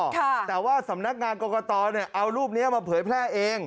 แต่ว่าสำนักงานกรกตเนี่ยเอารูปนี้มาเผยแพร่เอง